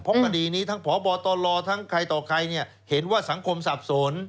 เพราะคดีนี้ทั้งพบตลทั้งใครต่อใครเนี่ยเห็นว่าสังคมสับสน